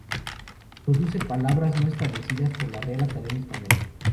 Produce palabras no establecidas por la Real Academia Española.